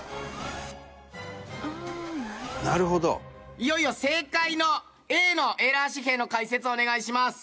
いよいよ正解のＡのエラー紙幣の解説をお願いします。